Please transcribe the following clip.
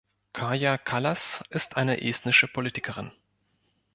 Kaja Kallas ist eine estnische Politikerin.